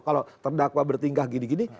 kalau terdakwa bertingkah gini gini